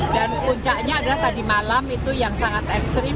dan puncaknya adalah tadi malam itu yang sangat ekstrim